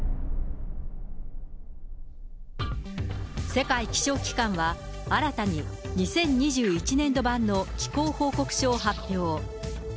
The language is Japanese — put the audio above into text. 世界気象機関は、新たに２０２１年度版の気候報告書を発表。